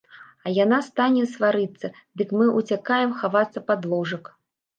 А яна стане сварыцца, дык мы ўцякаем хавацца пад ложак.